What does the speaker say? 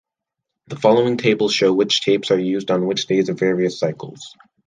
The following tables show which tapes are used on which days of various cycles.